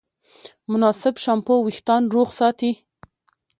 مناسب شامپو وېښتيان روغ ساتي.